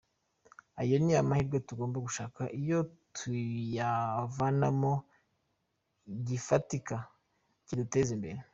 Ayo ni amahirwe tugomba gushaka icyo tuyavanamo gifatika kiduteza imbere.